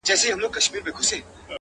o هغه وه تورو غرونو ته رويا وايي ـ